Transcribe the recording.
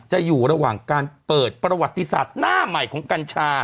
อยู่ระหว่างการเปิดประวัติศาสตร์หน้าใหม่ของกัญชา